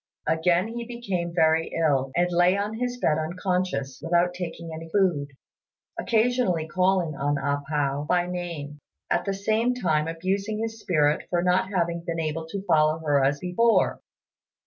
Again he became very ill, and lay on his bed unconscious, without taking any food, occasionally calling on A pao by name, at the same time abusing his spirit for not having been able to follow her as before.